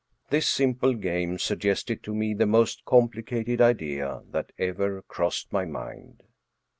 This simple game suggested to me the most complicated idea that ever crossed my mind.